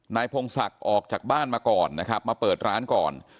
พงศักดิ์ออกจากบ้านมาก่อนนะครับมาเปิดร้านก่อน